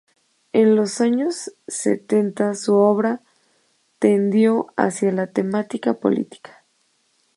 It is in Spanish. En los años setenta, su obra tendió hacia la temática política.